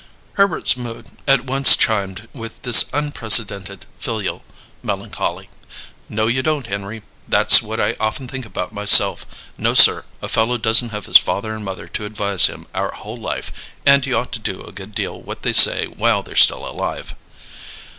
Herbert's mood at once chimed with this unprecedented filial melancholy. "No, you don't, Henry. That's what I often think about, myself. No, sir, a fellow doesn't have his father and mother to advise him our whole life, and you ought to do a good deal what they say while they're still alive."